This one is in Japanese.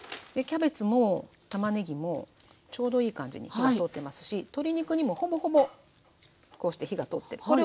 キャベツもたまねぎもちょうどいい感じに火が通ってますし鶏肉にもほぼほぼこうして火が通ってる。